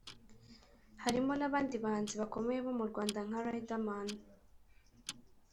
Harimo n’abandi bahanzi bakomeye bo mu Rwanda nka Riderman